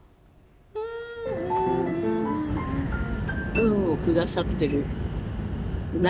運を下さってる何か。